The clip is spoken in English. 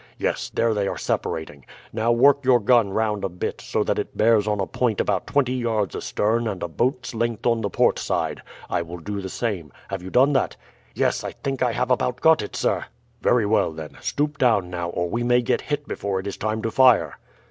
Yes, there they are separating. Now work your gun round a bit, so that it bears on a point about twenty yards astern and a boat's length on the port side. I will do the same. Have you done that?" "Yes, I think I have about got it, sir." "Very well, then. Stoop down now, or we may get hit before it is time to fire."